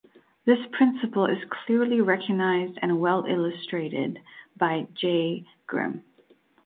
This principle is clearly recognized and well illustrated by J. Grimm.